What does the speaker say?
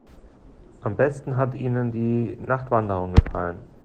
Am besten hat ihnen die Nachtwanderung gefallen.